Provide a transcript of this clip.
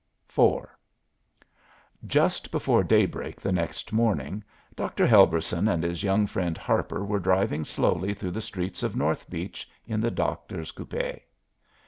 IV Just before daybreak the next morning Dr. Helberson and his young friend Harper were driving slowly through the streets of North Beach in the doctor's coupé.